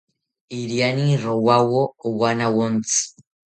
Iriani rowawo owanawontzi